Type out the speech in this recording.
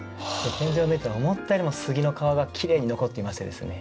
天井を抜いたら思ったよりも杉の皮がきれいに残っていましてですね。